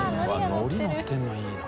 のりのってるのいいな。